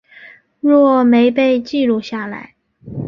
若没被记录下来